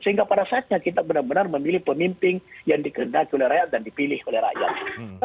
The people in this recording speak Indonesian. sehingga pada saatnya kita benar benar memilih pemimpin yang dikendaki oleh rakyat dan dipilih oleh rakyat